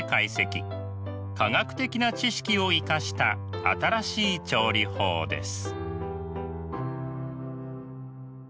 科学的な知識を生かした新しい調理法です。